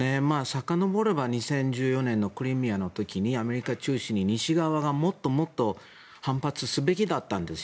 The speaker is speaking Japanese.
さかのぼれば２０１４年のクリミアの時にアメリカ中心に西側がもっともっと反発すべきだったんです。